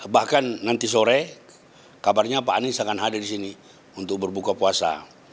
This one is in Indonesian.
bahkan nanti sore kabarnya pak anies akan hadir di sini untuk berbuka puasa